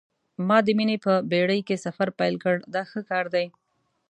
ما د مینې په بېړۍ کې سفر پیل کړ دا ښه کار دی.